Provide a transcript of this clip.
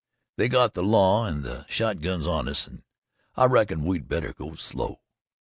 They've got the law and the shotguns on us, an' I reckon we'd better go slow."